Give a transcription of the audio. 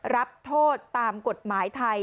รับโทษตามกฎหมายไทย